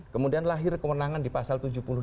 kemudian lahir kewenangan di pasal tujuh puluh dua